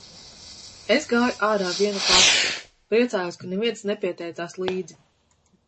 Es gāju ārā viena pati. Priecājos, ka neviens nepieteicās līdzi.